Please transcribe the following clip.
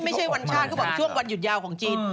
ไม่ใช่วันชาติเขาบอกช่วงวันหยุดยาวของจีน